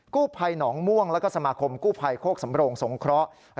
ภัยหนองม่วงแล้วก็สมาคมกู้ภัยโคกสำโรงสงเคราะห์